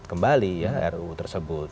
kembali ya ruu tersebut